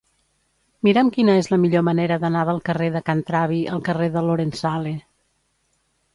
Mira'm quina és la millor manera d'anar del carrer de Can Travi al carrer de Lorenzale.